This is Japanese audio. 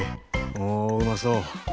おおうまそう。